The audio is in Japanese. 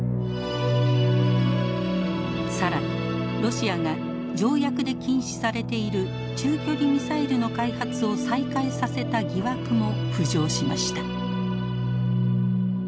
更にロシアが条約で禁止されている中距離ミサイルの開発を再開させた疑惑も浮上しました。